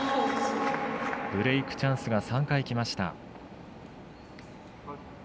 ブレークチャンスが３回きました。